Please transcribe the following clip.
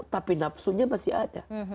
tapi nafsunya masih ada